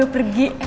lo inget gak sih